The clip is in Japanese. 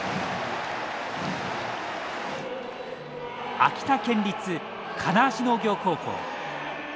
秋田県立金足農業高校。